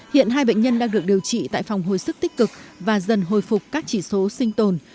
hiện hai bệnh nhân đang được điều trị tại phòng hồi sức tích cực và dần hồi phục các chỉ số sinh tồn